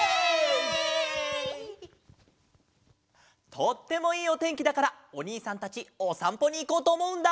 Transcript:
とってもいいおてんきだからおにいさんたちおさんぽにいこうとおもうんだ。